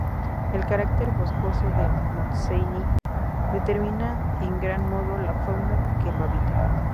El carácter boscoso del Montseny determina en gran modo la fauna que lo habita.